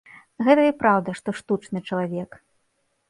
Гэта й праўда, што штучны чалавек.